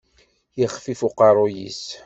Yexfif uqerruy-is.